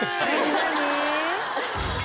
何？